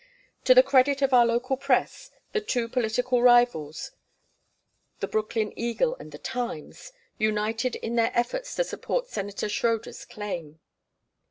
To the credit of our local press, the two political rivals, the Brooklyn Eagle and the Times, united in their efforts to support Senator Schroeder's claim.